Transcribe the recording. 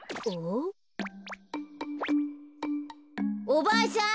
おばあさん